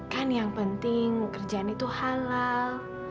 kan yang penting mau kerjaan itu halal